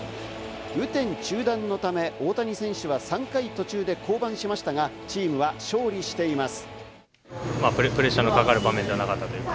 雨天中断のため大谷選手は３回途中で降板しましたが、チームは勝利しています。